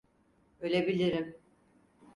Ölebilirim.